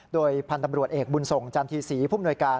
โดยพันธุ์ตำรวจเอกบุญส่งจันทีศรีผู้มนวยการ